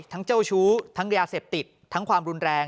เจ้าชู้ทั้งยาเสพติดทั้งความรุนแรง